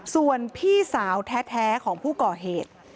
ส่วนพี่สาวแท้ของผู้ก่อเหตุ